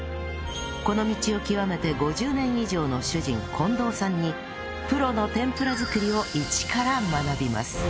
この道を極めて５０年以上の主人近藤さんにプロの天ぷら作りをイチから学びます